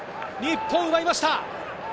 日本奪いました！